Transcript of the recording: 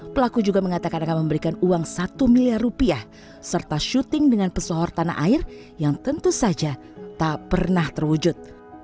pelaku juga mengatakan akan memberikan uang satu miliar rupiah serta syuting dengan pesohor tanah air yang tentu saja tak pernah terwujud